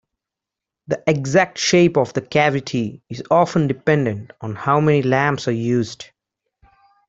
The exact shape of the cavity is often dependent on how many lamps are used.